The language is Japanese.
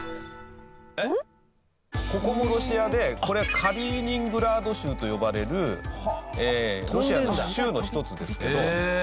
ここもロシアでこれカリーニングラード州と呼ばれるロシアの州の１つですけど。